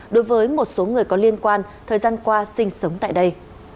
đối với một số người có liên quan thời gian qua sinh sống tại đây